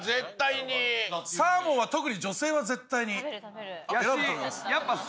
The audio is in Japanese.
サーモンは特に女性は絶対に選ぶと思います。